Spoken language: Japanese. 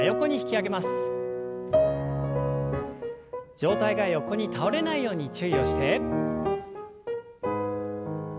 上体が横に倒れないように注意をして。